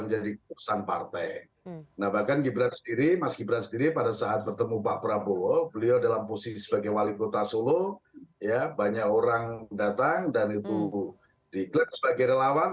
jadi mas gibran sendiri mas gibran sendiri pada saat bertemu pak prabowo beliau dalam posisi sebagai wali kota solo ya banyak orang datang dan itu diklik sebagai relawan